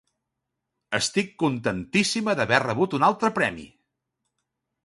Estic contentíssima d'haver rebut un altre premi!